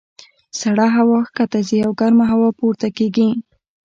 سړه هوا ښکته ځي او ګرمه هوا پورته کېږي.